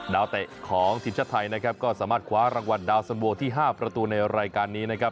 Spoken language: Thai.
เตะของทีมชาติไทยนะครับก็สามารถคว้ารางวัลดาวสันโวที่๕ประตูในรายการนี้นะครับ